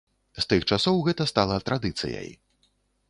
З тых часоў гэта стала традыцыяй.